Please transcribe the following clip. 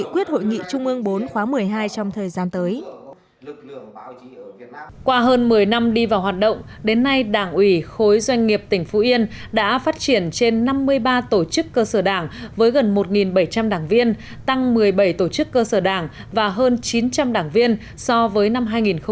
qua hơn một mươi năm đi vào hoạt động đến nay đảng ủy khối doanh nghiệp tỉnh phú yên đã phát triển trên năm mươi ba tổ chức cơ sở đảng với gần một bảy trăm linh đảng viên tăng một mươi bảy tổ chức cơ sở đảng và hơn chín trăm linh đảng viên so với năm hai nghìn một mươi tám